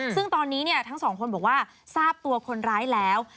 ซึ่งตอนนี้ทั้งสองคนบอกว่าทราบตัวคนร้ายแล้ว